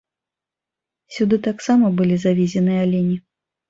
Сюды таксама былі завезены алені.